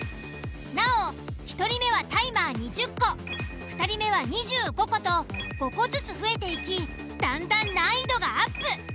なお１人目はタイマー２０個２人目は２５個と５個ずつ増えていきだんだん難易度がアップ。